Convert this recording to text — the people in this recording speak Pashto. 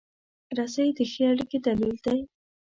رسۍ د ښې اړیکې دلیل دی.